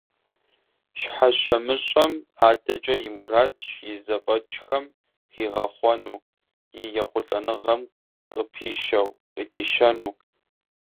Щхьэщэмыщӏым адэкӏи и мурадщ и зэфӏэкӏхэм хигъэхъуэну, и ехъулӏэныгъэхэм къыпищэну.